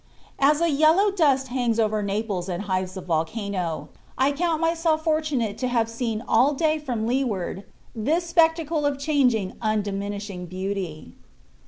As a yellow dust hangs over Naples and hides the volcano, I count myself fortunate to have seen all day from leeward this spectacle of changing, undiminishing beauty.